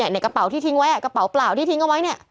ในกระเป๋าที่ทิ้งไว้กระเป๋าเปล่าที่ทิ้งเอาไว้เนี่ย